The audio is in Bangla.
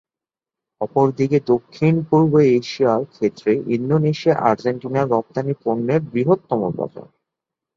অপরদিকে দক্ষিণ-পূর্ব এশিয়ার ক্ষেত্রে ইন্দোনেশিয়া আর্জেন্টিনার রপ্তানি পণ্যের বৃহত্তম বাজার।